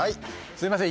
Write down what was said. すみません